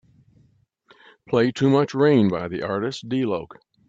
Play Too Much Rain by the artist D-loc.